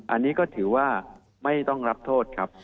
อันนี้ก็ถือว่าไม่ต้องรับโทษครับ